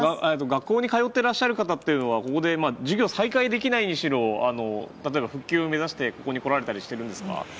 学校に通ってらっしゃる方は授業再開できないにしろ復旧を目指したりしてここに来られたりしているんですか？